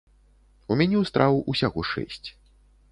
У меню страў усяго шэсць.